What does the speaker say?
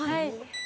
はい。